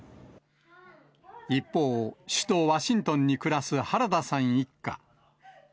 一方、首都ワシントンに暮らす原田さん一家。